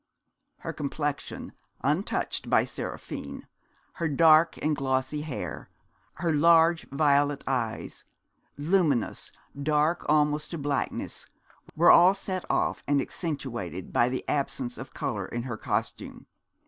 Her complexion untouched by Seraphine her dark and glossy hair, her large violet eyes, luminous, dark almost to blackness, were all set off and accentuated by the absence of colour in her costume.